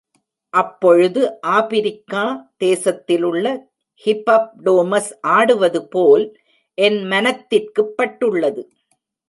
அப்பொழுது, ஆப்பிரிக்கா தேசத்திலுள்ள ஹிப்பப்டோமஸ் ஆடுவதுபோல் என் மனத்திற்குப் பட்டுள்ளது.